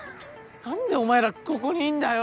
何でお前らここにいんだよ